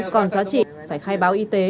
còn giá trị phải khai báo y tế